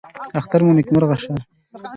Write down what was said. اختر مو نیکمرغه شه